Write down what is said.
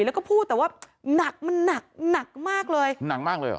แล้วก็พูดแต่ว่าหนักมันหนักหนักมากเลยหนักมากเลยเหรอ